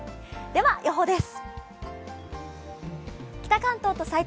では、予報です。